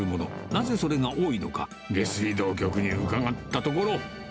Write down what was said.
なぜそれが多いのか、下水道局に伺ったところ。